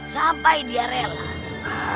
sampai dia rela